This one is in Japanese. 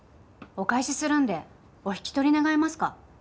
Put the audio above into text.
お返しするんでお引き取り願えますか？